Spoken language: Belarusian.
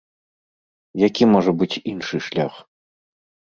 Які можа быць іншы шлях?